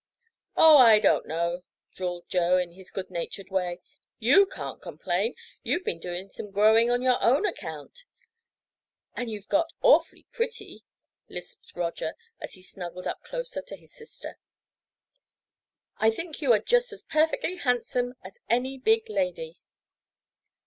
"Oh, I don't know," drawled Joe, in his good natured way. "You can't complain. You've been doing some growing on your own account." "And you have got awfully pretty," lisped Roger, as he "snuggled" up closer to his sister. "I think you are just as perfectly handsome as any big lady."